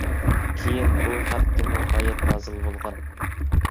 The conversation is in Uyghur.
كېيىن بۇ ھەقتىمۇ ئايەت نازىل بولغان.